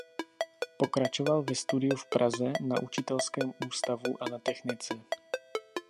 Pokračoval ve studiu v Praze na učitelském ústavu a na technice.